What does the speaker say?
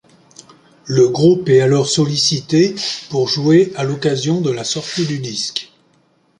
Le groupe est alors sollicité pour jouer à l'occasion de la sortie du disque.